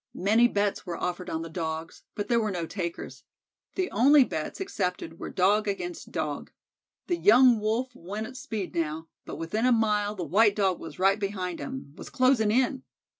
Many bets were offered on the Dogs, but there were no takers. The only bets accepted were Dog against Dog. The young Wolf went at speed now, but within a mile the white Dog was right behind him was closing in.